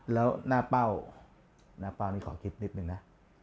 แล้วหน้าเป้าหน้าเป้านี่ขอคิดนิดนึงนะ